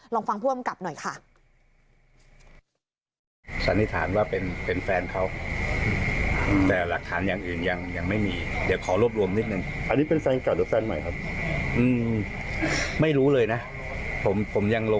ลองฟังผู้อำกับหน่อยค่ะ